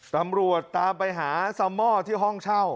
ตำรวจตามไปหาซัมม่อที่ห้องเช่า